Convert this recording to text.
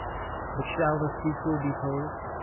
But shall the sequel, be told ?